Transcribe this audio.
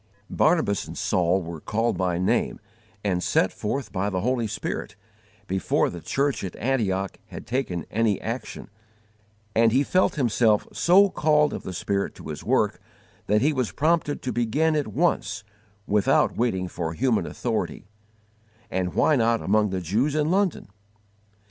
_ Barnabas and Saul were called by name and sent forth by the Holy Spirit, before the church at Antioch had taken any action; and he felt himself so called of the Spirit to his work that he was prompted to begin at once, without waiting for human authority, and why not among the Jews in London?